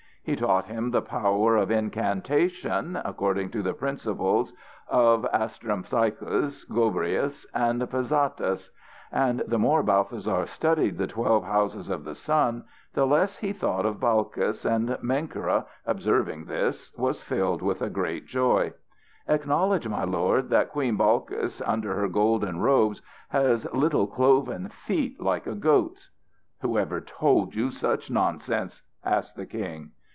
He taught him the power of incantation, according to the principles of Astrampsychos, Gobryas and Pazatas. And the more Balthasar studied the twelve houses of the sun, the less he thought of Balkis, and Menkera, observing this, was filled with a great joy. "Acknowledge, my lord, that Queen Balkis under her golden robes has little cloven feet like a goat's." "Who ever told you such nonsense?" asked the King.